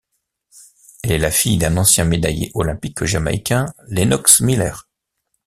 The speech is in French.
Elle est la fille d'un ancien médaillé olympique jamaïcain Lennox Miller.